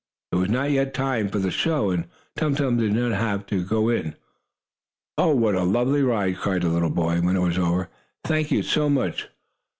It was not yet time for the show, and Tum Tum did not have to go in. "Oh, what a lovely ride!" cried the little boy, when it was over. "Thank you so much!"